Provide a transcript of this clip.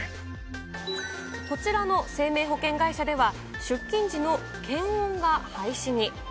こちらの生命保険会社では出勤時の検温が廃止に。